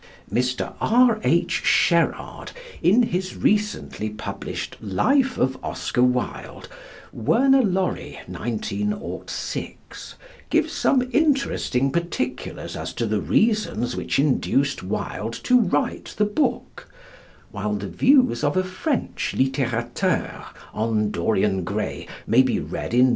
Mr. R.H. Sherard, in his recently published "Life of Oscar Wilde" (Werner Laurie, 1906), gives some interesting particulars as to the reasons which induced Wilde to write the book, while the views of a French littérateur on "Dorian Gray" may be read in M.